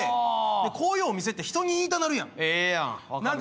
こういうお店って人に言いたくなるやん。